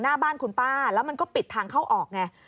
หน้าบ้านคุณป้าแล้วมันก็ปิดทางเข้าออกไง